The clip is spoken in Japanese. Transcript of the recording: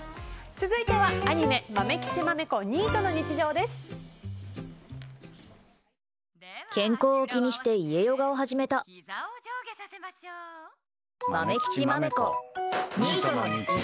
続いてはアニメ「まめきちまめこニートの日常」